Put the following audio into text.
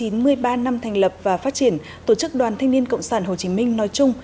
một mươi ba năm thành lập và phát triển tổ chức đoàn thanh niên cộng sản hồ chí minh nói chung